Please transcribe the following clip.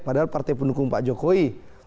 padahal partai pendukung pak jokowi